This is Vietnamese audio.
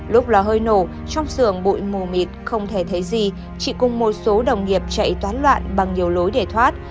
lúc lò hơi nổ trong xưởng bụi mù mịt không thể thấy gì chị cùng một số đồng nghiệp chạy toán loạn bằng nhiều lối để thoát